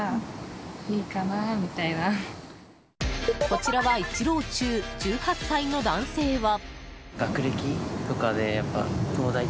こちらは１浪中１８歳の男性は。